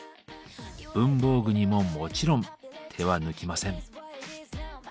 文房具にももちろん手は抜きません。